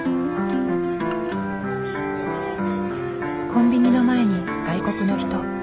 コンビニの前に外国の人。